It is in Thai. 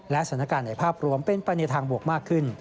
และสถานการณ์ในภาพรวมเป็นไปในทางบวกมากขึ้น